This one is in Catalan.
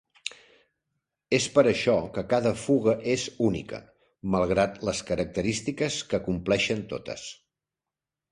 És per això que cada fuga és única, malgrat les característiques que compleixen totes.